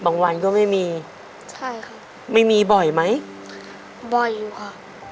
บางวันก็ไม่มีใช่ค่ะไม่มีบ่อยไหมบ่อยอยู่ค่ะ